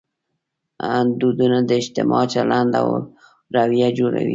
دودونه د اجتماع چلند او رویه جوړوي.